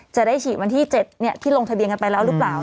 จะได้ฉีดวันที่๗ที่ลงทะเบียนกันไปแล้วหรือเปล่า